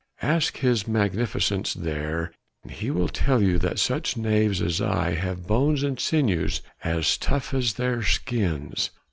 "Ask his Magnificence there, he will tell you that such knaves as I have bones and sinews as tough as their skins.